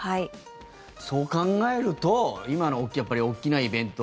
そう考えると今の大きなイベント